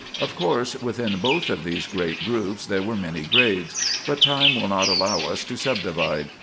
Of course, within both of these great groups there were many grades, but time will not allow us to subdivide.